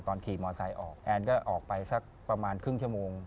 ขี่มอไซค์ออกแอนก็ออกไปสักประมาณครึ่งชั่วโมง